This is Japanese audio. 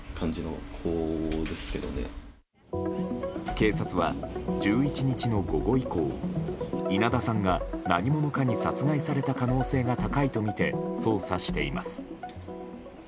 警察は、１１日の午後以降稲田さんが何者かに殺害された可能性が高いとみて捜査しています。